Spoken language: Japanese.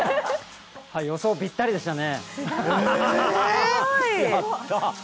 予想ぴったりでしたね。